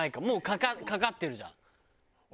もうかかってるじゃん。